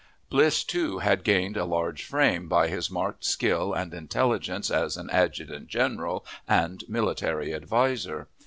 Bliss, too, had gained a large fame by his marked skill and intelligence as an adjutant general and military adviser.